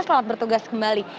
selamat bertugas kembali